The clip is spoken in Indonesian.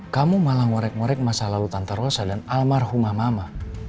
kamu malah ngorek ngorek masalah tante rosa dan almarhumah mama